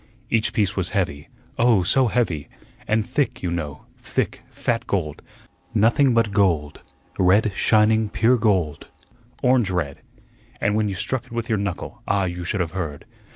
Each piece was heavy, oh, so heavy! and thick, you know; thick, fat gold, nothing but gold red, shining, pure gold, orange red and when you struck it with your knuckle, ah, you should have heard!